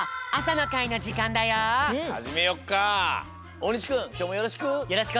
大西くんきょうもよろしく！